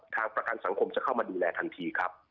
ทางประกันสังคมจะเข้ามาดูแลทันทีครับ